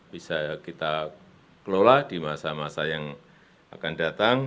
bisa kita kelola di masa masa yang akan datang